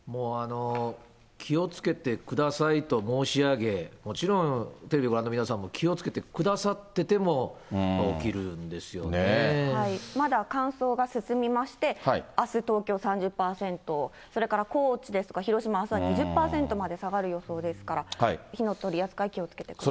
気をつけてくださいと申し上げ、もちろん、テレビをご覧の皆さんも気をつけてくださってても、まだ乾燥が進みまして、あす、東京３０％、それから高知ですとか広島、あすは２０％まで下がる予想ですから、火の取り扱い、気をつけてください。